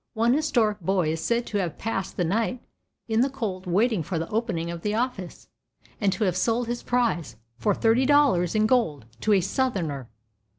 One historic boy is said to have passed the night in the cold waiting for the opening of the office, and to have sold his prize for thirty dollars in gold to "a Southerner."